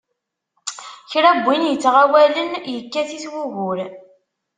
Kra n win ittɣawalen, yekkat-it wugur.